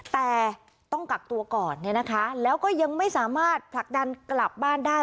แต่ต้องกักตัวก่อนเนี่ยนะคะแล้วก็ยังไม่สามารถผลักดันกลับบ้านได้